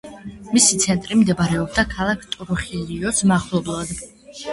მისი ცენტრი მდებარეობდა ქალაქ ტრუხილიოს მახლობლად.